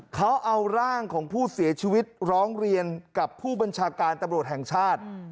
เขาเอาร่างของผู้เสียชีวิตร้องเรียนกับผู้บัญชาการตำรวจแห่งชาติ